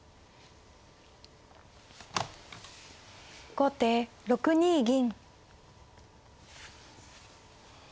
後手６二銀。